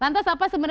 lantas apa sebenarnya